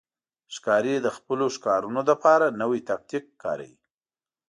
ښکاري د خپلو ښکارونو لپاره نوی تاکتیک کاروي.